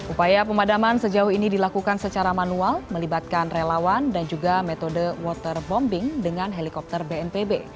upaya pemadaman sejauh ini dilakukan secara manual melibatkan relawan dan juga metode waterbombing dengan helikopter bnpb